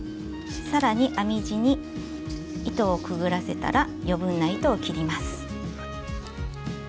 さらに編み地に糸をくぐらせたら余分な糸を切ります。